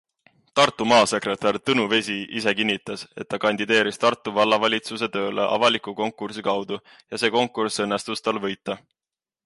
Tartu maasekretär Tõnu Vesi ise kinnitas, et ta kandideeris Tartu vallavalitsusse tööle avaliku konkursi kaudu ja see konkurss õnnestus tal võita.